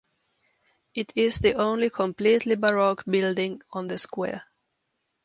It is the only completely baroque building on the square.